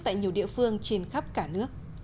tại nhiều địa phương trên khắp cả nước